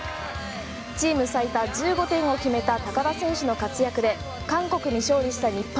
チーム最多１５点を決めた高田選手の活躍で韓国に勝利した日本。